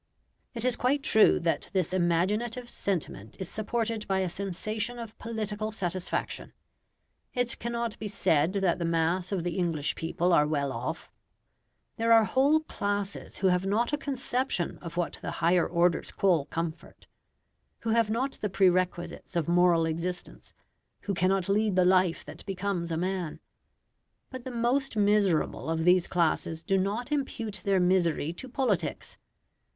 It is quite true that this imaginative sentiment is supported by a sensation of political satisfaction. It cannot be said that the mass of the English people are well off. There are whole classes who have not a conception of what the higher orders call comfort; who have not the prerequisites of moral existence; who cannot lead the life that becomes a man. But the most miserable of these classes do not impute their misery to politics.